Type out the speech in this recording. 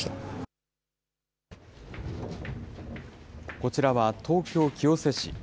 こちらは東京・清瀬市。